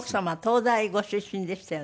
東大ご出身でしたよね？